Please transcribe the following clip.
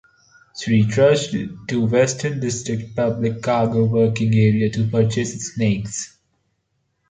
She trudged to Western District Public Cargo Working Area to purchase snakes.